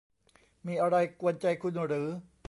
มีอะไรกวนใจคุณหรือ